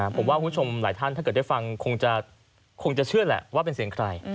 ผมว่าคุณผู้ชมหลายท่านถ้าเกิดได้ฟังคงจะเชื่อแหละว่าเป็นเสียงใคร